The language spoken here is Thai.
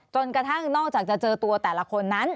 จนกระทั่งนอกจากจะเจอตัวแต่ละคนนั้น